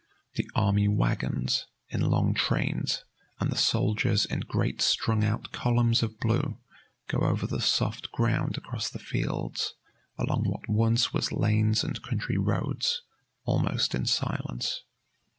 The army wagons, in long trains, and the soldiers in great strung out columns of blue, go over the soft ground across the fields, along what once was lanes and country roads, almost in silence.